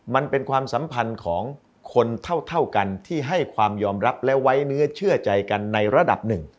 มันเป็นความสัมพันธ์ของคนเท่ากันที่ให้ความยอมรับและไว้เนื้อเชื่อใจกันในระดับหนึ่ง